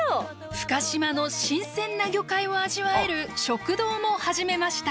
深島の新鮮な魚介を味わえる食堂も始めました。